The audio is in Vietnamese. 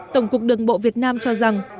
tổng cục đường bộ việt nam cho rằng